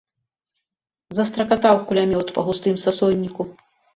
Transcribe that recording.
Застракатаў кулямёт па густым сасонніку.